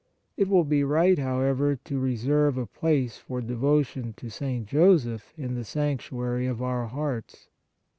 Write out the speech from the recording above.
It will be right, however, to reserve a place for devotion to St. Joseph in the sanctuary of our hearts.